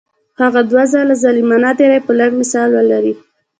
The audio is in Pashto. خو هغه دوه ځله ظالمانه تیری به لږ مثال ولري.